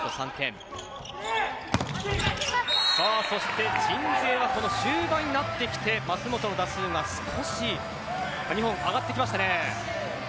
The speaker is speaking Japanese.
そして鎮西は終盤になってきて舛本の打数が少し上がってきましたね。